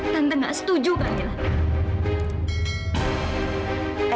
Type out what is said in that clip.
tante gak setuju kamila